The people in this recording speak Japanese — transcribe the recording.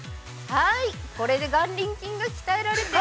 これで眼輪筋が、鍛えられてます。